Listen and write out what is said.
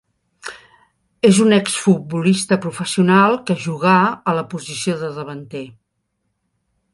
És un exfutbolista professional que jugà a la posició de davanter.